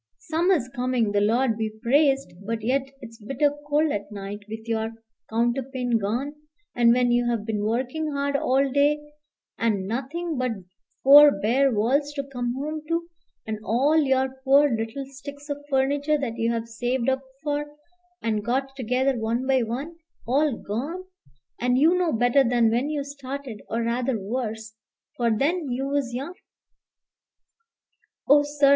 Summer's coming, the Lord be praised, but yet it's bitter cold at night with your counterpane gone; and when you've been working hard all day, and nothing but four bare walls to come home to, and all your poor little sticks of furniture that you've saved up for, and got together one by one, all gone, and you no better than when you started, or rather worse, for then you was young. Oh, sir!"